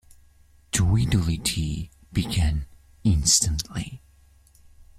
Tweedledee began instantly.